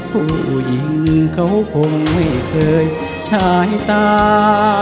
ผู้หญิงเขาคงไม่เคยฉายตา